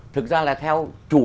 thực ra là theo